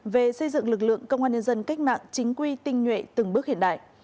về xây dựng lực lượng công an nhân dân cách mạng chính quy tinh nhuệ từng bước hiện đại